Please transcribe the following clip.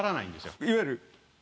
いわゆる。